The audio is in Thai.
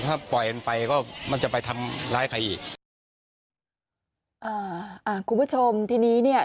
ถ้าปล่อยมันไปก็มันจะไปทำร้ายใครอีกอ่าอ่าคุณผู้ชมทีนี้เนี้ย